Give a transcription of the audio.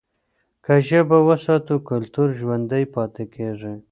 که ژبه وساتو، کلتور ژوندي پاتې کېږي.